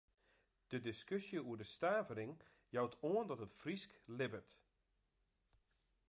De diskusje oer de stavering jout oan dat it Frysk libbet.